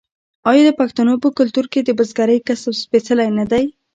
آیا د پښتنو په کلتور کې د بزګرۍ کسب سپیڅلی نه دی؟